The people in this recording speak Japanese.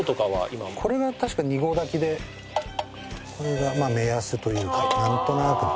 これが目安というかなんとなくの。